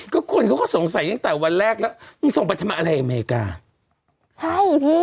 ก็คนเขาก็สงสัยตั้งแต่วันแรกแล้วมึงส่งไปทำอะไรอเมริกาใช่พี่